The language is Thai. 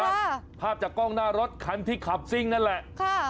ภาพจากกล้องหน้ารถคันที่ขับซิ่งนั่นแหละค่ะ